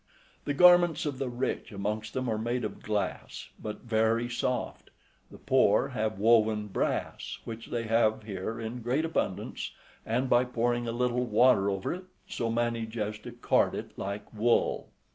The garments of the rich amongst them are made of glass, but very soft: the poor have woven brass, which they have here in great abundance, and by pouring a little water over it, so manage as to card it like wool.